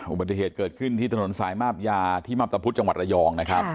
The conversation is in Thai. อุบัติเหตุเกิดขึ้นที่ถนนสายมาบยาที่มาพตะพุธจังหวัดระยองนะครับ